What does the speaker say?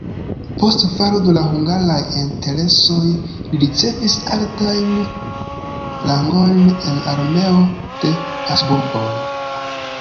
Post falo de la hungaraj interesoj li ricevis altajn rangojn en armeo de Habsburgoj.